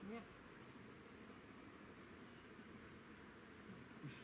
สุดท้าย